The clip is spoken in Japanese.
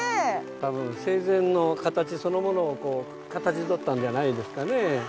多分生前の形そのものをかたどったんじゃないですかね。